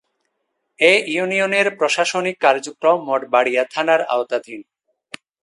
এ ইউনিয়নের প্রশাসনিক কার্যক্রম মঠবাড়িয়া থানার আওতাধীন।